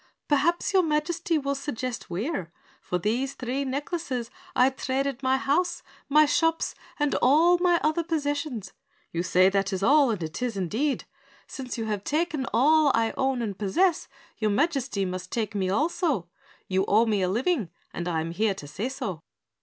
"Perhaps your Majesty will suggest where? For these three necklaces I traded my house, my shops, and all my other possessions. You say that is all, and it is indeed. Since you have taken all I own and possess, your Majesty must take me also. You owe me a living and I am here to say so."